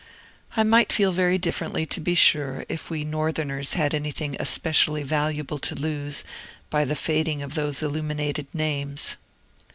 I might feel very differently, to be sure, if we Northerners had anything especially valuable to lose by the fading of those illuminated names.